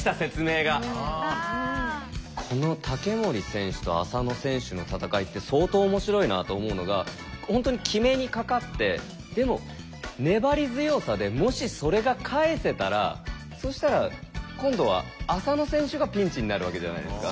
この竹守選手と浅野選手の戦いって相当面白いなと思うのが本当に決めにかかってでも粘り強さでもしそれが返せたらそしたら今度は浅野選手がピンチになるわけじゃないですか。